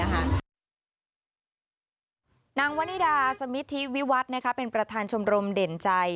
นางนิดาสมิทธิวิวัฒน์เป็นประธานชมรมเด่นใจ